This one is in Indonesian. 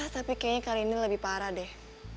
tapi kayaknya kali ini lebih parah deh